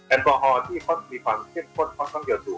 แอนต์บอะฮอล์ที่มีความเข้มข้นเข้าข้างเพียงถูก